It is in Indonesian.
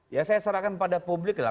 ya saya serahkan pada publik lah